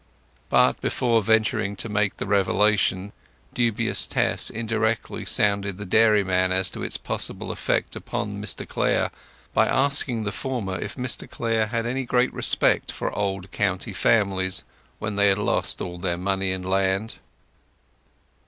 But, before venturing to make the revelation, dubious Tess indirectly sounded the dairyman as to its possible effect upon Mr Clare, by asking the former if Mr Clare had any great respect for old county families when they had lost all their money and land.